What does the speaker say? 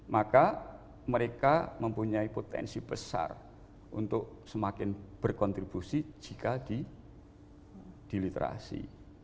maka mereka mempunyai potensi besar untuk semakin berkontribusi jika diliterasi